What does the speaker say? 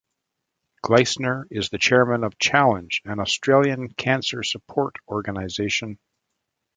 Gleisner is the chairman of Challenge, an Australian cancer support organisation.